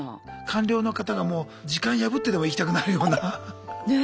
官僚の方が時間破ってでも行きたくなるような。ね。